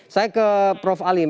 saya ke prof alim